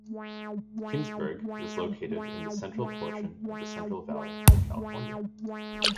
Kingsburg is located in the central portion of the Central Valley of California.